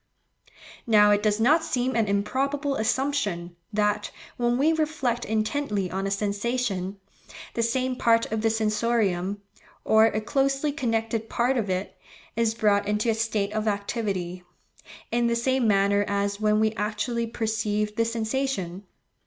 Now it does not seem an improbable assumption, that, when we reflect intently on a sensation, the same part of the sensorium, or a closely connected part of it, is brought into a state of activity, in the same manner as when we actually perceive the sensation.